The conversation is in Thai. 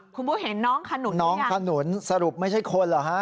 คุณบุ๊กเห็นน้องขนุญน่ะน้องขนุญระอา